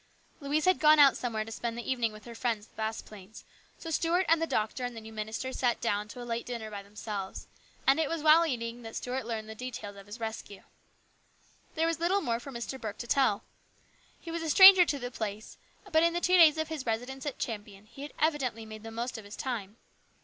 Louise had gone out somewhere to spend the evening with her friends the Vasplaines, so Stuart and the doctor and the new minister sat down to a late dinner by themselves, and it was while eating that Stuart learned the details of his rescue. 78 HIS BROTHER'S KEEPER. There was little more for Mr. Burke to tell. He was a stranger to the place, but in the two days of his residence in Champion he had evidently made the most of his time.